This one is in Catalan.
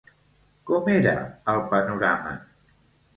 Com era el panorama?